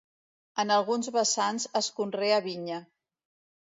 En alguns vessants es conrea vinya.